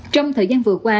trong thời gian vừa qua